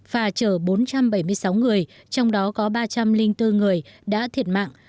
và chở bốn trăm bảy mươi sáu người trong đó có ba trăm linh bốn người đã thiệt mạng